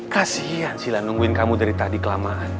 kasian sila nungguin kamu dari tadi kelamaan